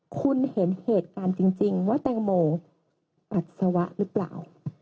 คุณเห็นเหตุการณ์จริงว่าแตงโมปัสสาวะหรือเปล่า